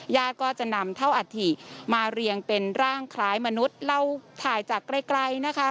ญาติก็จะนำเท่าอัฐิมาเรียงเป็นร่างคล้ายมนุษย์เราถ่ายจากไกลนะคะ